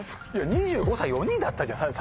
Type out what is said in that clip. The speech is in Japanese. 「２５歳」４人だったじゃん！